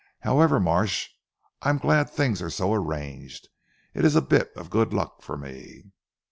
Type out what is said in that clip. However Marsh I am glad things are so arranged. It is a bit of good luck for me."